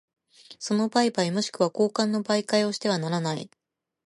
その売買若しくは交換の媒介をしてはならない。